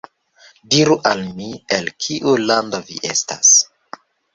Diru al mi, el kiu lando vi estas.